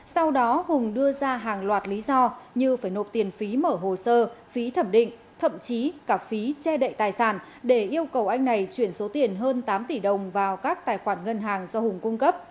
sau đó hùng đưa ra hàng loạt lý do như phải nộp tiền phí mở hồ sơ phí thẩm định thậm chí cả phí che đậy tài sản để yêu cầu anh này chuyển số tiền hơn tám tỷ đồng vào các tài khoản ngân hàng do hùng cung cấp